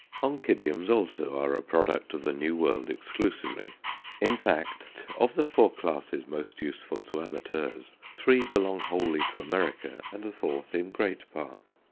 Oncidiums also are a product of the New World exclusively; in fact, of the four classes most useful to amateurs, three belong wholly to America, and the fourth in great part.